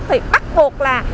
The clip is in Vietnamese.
thì bắt buộc là